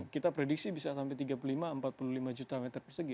kita prediksi bisa sampai tiga puluh lima empat puluh lima juta meter persegi